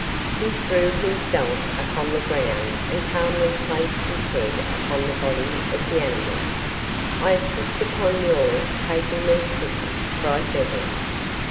He threw himself upon the ground and calmly placed his head upon the body of the animal. "I insist upon your taking these cushions," cried Beverly.